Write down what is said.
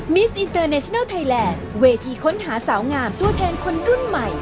มีอินเตอร์เนชนัลไทยแลนด์เวทีค้นหาสาวงามตัวแทนคนรุ่นใหม่